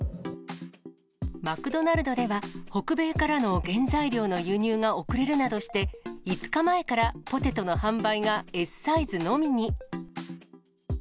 マクドナルドでは、北米からの原材料の輸入が遅れるなどして、５日前からポテトの販売がＳサイズのみに。